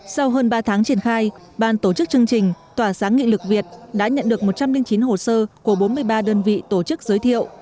sau hơn ba tháng triển khai ban tổ chức chương trình tỏa sáng nghị lực việt đã nhận được một trăm linh chín hồ sơ của bốn mươi ba đơn vị tổ chức giới thiệu